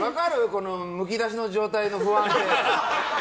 このむき出しの状態の不安って。